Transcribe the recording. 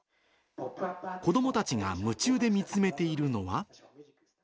子どもたちが夢中で見つめているのは。